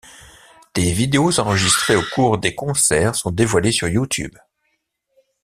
Des vidéos enregistrées au cours des concerts sont dévoilés sur YouTube.